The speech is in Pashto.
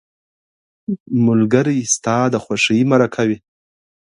ملګری ستا د خوښۍ مرکه وي